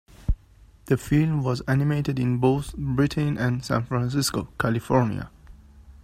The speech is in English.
The film was animated in both Britain and San Francisco, California.